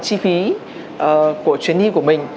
chi phí của chuyến đi của mình